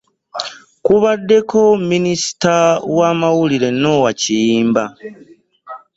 Kubaddeko Minisita w'amawulire Noah Kiyimba